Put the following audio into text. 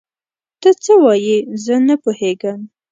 ته څه وايې؟ زه نه پوهيږم.